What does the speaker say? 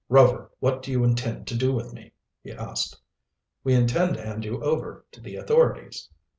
"Rover, what do you intend to do with me?" he asked. "We intend to hand you over to the authorities."